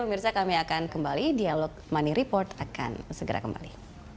pemirsa kami akan kembali dialog money report akan segera kembali